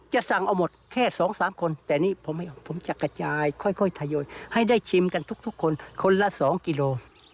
สั่งเอาหมดแค่๒๓คนแต่นี่ผมจะกระจายค่อยทยอยให้ได้ชิมกันทุกคนคนละ๒กิโล